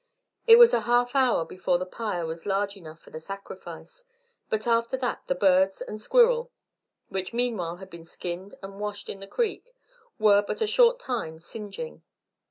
It was a half hour before the pyre was large enough for the sacrifice, but after that the birds and squirrel, which meanwhile had been skinned and washed in the creek, were but a short time singeing.